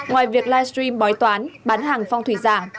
ngoài việc livestream bói toán bán hàng phong thủy giả